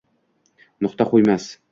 Nuqta qo’ymas